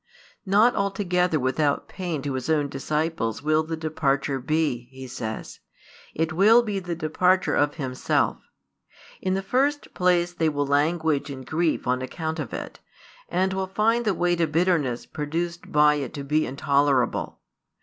Not altogether without pain to His own disciples will the departure be, He says; it will be the departure of Himself. In the first place they will languish in |214 grief on account of it, and will find the weight of bitterness produced by it to be intolerable.